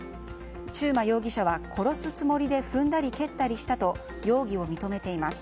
中馬容疑者は殺すつもりで踏んだり蹴ったりしたと容疑を認めています。